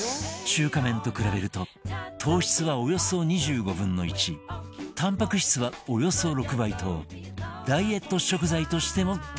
中華麺と比べると糖質はおよそ２５分の１タンパク質はおよそ６倍とダイエット食材としても大人気